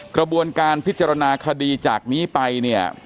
กระบวนการพิจารณาคดีจากนี้ไปเนี่ย